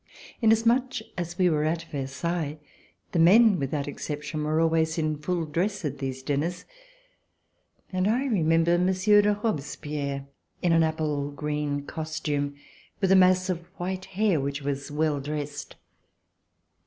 Inasmuch as we were at Versailles, the men, without exception, were always in full dress at these dinners, and I re member Monsieur de Robespierre, in an apple green costume, with a mass of white hair which was well dressed.